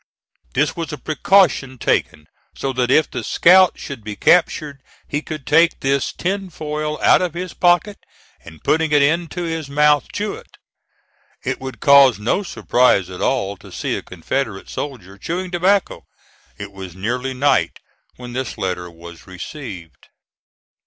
This was a precaution taken so that if the scout should be captured he could take this tin foil out of his pocket and putting it into his mouth, chew it. It would cause no surprise at all to see a Confederate soldier chewing tobacco. It was nearly night when this letter was received.